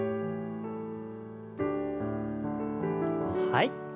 はい。